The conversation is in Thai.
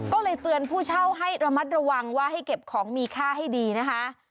ก็เลยเตือนผู้เช่าให้ระมัดระวังว่าให้เก็บของมีค่าให้ดีนะคะ